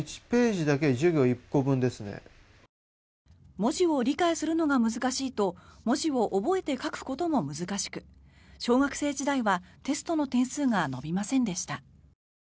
文字を理解するのが難しいと文字を覚えて書くことも難しく小学生時代はテストの点数が伸びませんでした。